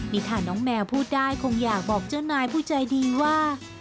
นี่ถ้าน้องแมวพูดได้คงอยากบอกเจ้านายผู้ใจดีว่า